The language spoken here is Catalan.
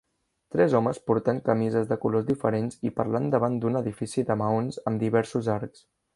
Tres homes portant camises de colors diferents i parlant davant d"un edifici de maons amb diversos arcs.